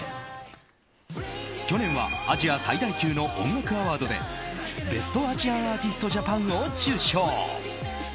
去年はアジア最大級の音楽アワードでベストアジアンアーティストジャパンを受賞。